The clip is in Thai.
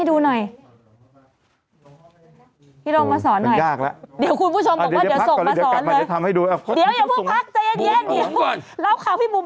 ต้องสอนอ่ะพี่